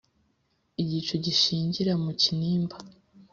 Igicu gishingira mu Kinimba